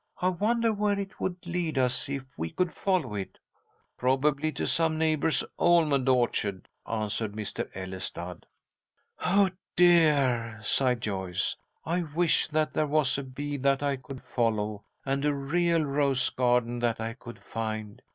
I wonder where it would lead us if we could follow it?" "Probably to some neighbour's almond orchard," answered Mr. Ellestad. "Oh, dear!" sighed Joyce. "I wish that there was a bee that I could follow, and a real rose garden that I could find.